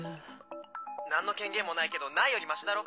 何の権限もないけどないよりマシだろ。